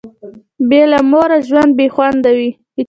بي له موره ژوند بي خونده وي